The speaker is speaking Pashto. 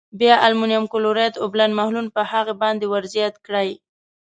بیا المونیم کلورایډ اوبلن محلول په هغه باندې ور زیات کړئ.